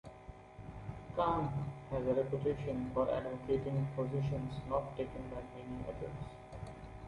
Kahn has a reputation for advocating positions not taken by many others.